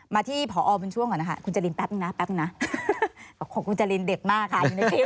มาที่พอบช่วงก่อนนะคะคุณจารินแป๊บหนึ่งนะของคุณจารินเด็ดมากค่ะ